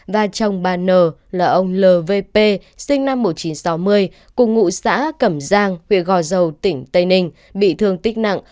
và chồng bà n là ông lvp sinh năm một nghìn chín trăm sáu mươi cùng ngụ xã cẩm giang huyện gò dầu tỉnh tây ninh bị thương tích nặng